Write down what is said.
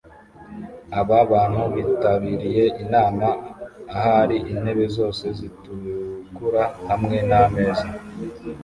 Aba bantu bitabiriye inama ahari intebe zose zitukura hamwe nameza